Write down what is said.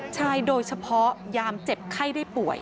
ใช่โดยเฉพาะยามเจ็บไข้ได้ป่วย